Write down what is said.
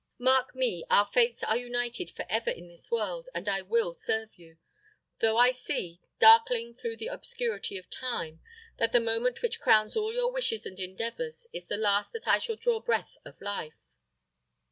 Mark me! our fates are united for ever in this world, and I will serve you; though I see, darkling through the obscurity of time, that the moment which crowns all your wishes and endeavours is the last that I shall draw breath of life.